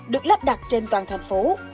được lắp đặt trên toàn thành phố